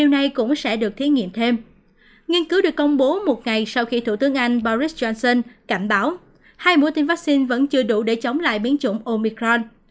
nghiên cứu được công bố một ngày sau khi thủ tướng anh boris johnson cảnh báo hai mũi tiêm vaccine vẫn chưa đủ để chống lại biến chủng omicron